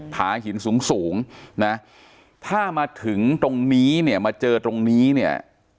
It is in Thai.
ผาหินสูงสูงนะถ้ามาถึงตรงนี้เนี่ยมาเจอตรงนี้เนี่ย